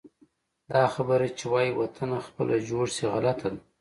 دا خبره چې وایي: وطنه خپله جوړ شي، غلطه ده.